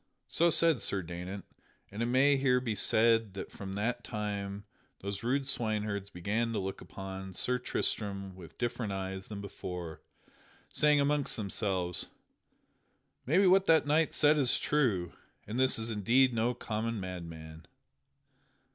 (So said Sir Daynant, and it may here be said that from that time those rude swineherds began to look upon Sir Tristram with different eyes than before, saying amongst themselves: "Maybe what that knight said is true, and this is indeed no common madman.")